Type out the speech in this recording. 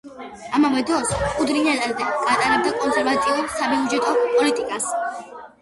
ამავე დროს, კუდრინი ატარებდა კონსერვატიულ საბიუჯეტო პოლიტიკას.